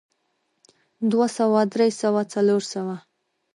دوه سوه درې سوه څلور سوه